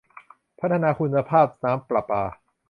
พัฒนาคุณภาพน้ำประปา